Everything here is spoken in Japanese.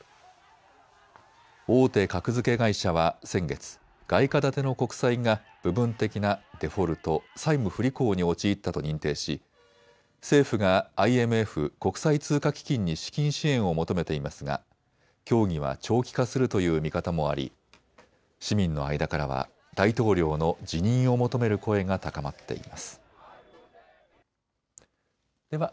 大手格付け会社は先月、外貨建ての国債が部分的なデフォルト・債務不履行に陥ったと認定し政府がＩＭＦ・国際通貨基金に資金支援を求めていますが協議は長期化するという見方もあり市民の間からは大統領の辞任を求める声が高まっています。